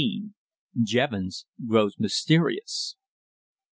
JEVONS GROWS MYSTERIOUS.